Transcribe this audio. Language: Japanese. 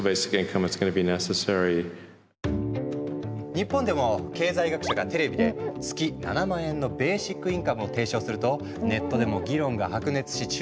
日本でも経済学者がテレビで月７万円のベーシックインカムを提唱するとネットでも議論が白熱し注目を集めた。